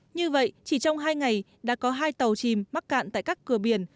như vậy chỉ trong hai ngày đã có hai tàu chìm mắc cạn tại các cửa biển